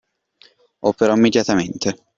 Operò immediatamente.